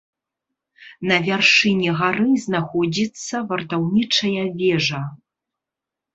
На вяршыні гары знаходзіцца вартаўнічая вежа.